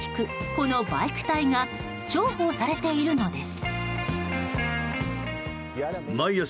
このバイク隊が重宝されているのです。